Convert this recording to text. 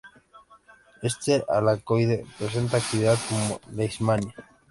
Este alcaloide presenta actividad contra "Leishmania".